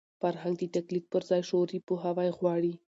فرهنګ د تقلید پر ځای شعوري پوهاوی غواړي.